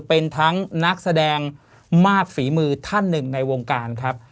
เป็นทั้งนักแสดงมากฝีมือท่านหนึ่งในวงการครับ